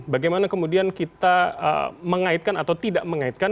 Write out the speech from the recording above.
bagaimana kemudian kita mengaitkan atau tidak mengaitkan